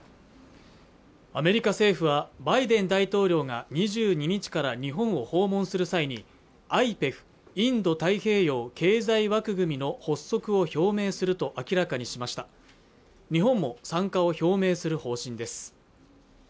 アメリカ政府はバイデン大統領が２２日から日本を訪問する際にＩＰＥＦ＝インド太平洋経済枠組みの発足を表明すると明らかにしました日本も参加を表明する方針です